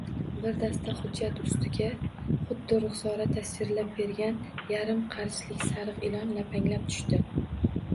Bir dasta hujjat ustiga xuddi Ruxsora tavsiflab bergan yarim qarichlik sariq ilon lapanglab tushdi